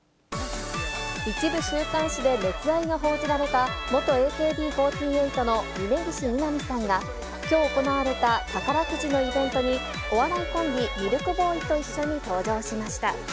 一部週刊誌で熱愛が報じられた、元ＡＫＢ４８の峯岸みなみさんが、きょう行われた宝くじのイベントに、お笑いコンビ、ミルクボーイと一緒に登場しました。